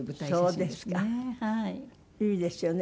いいですよね。